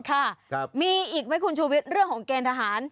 ค่ะมีอีกไหมคุณชูวิทย์เรื่องของเกณฑ์ทหาร